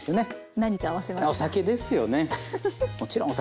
何と合わせますか？